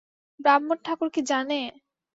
ব্রাহ্মণ-ঠাকুর কী জানে!